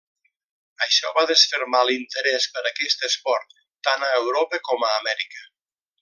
Això va desfermar l'interès per aquest esport tant a Europa com a Amèrica.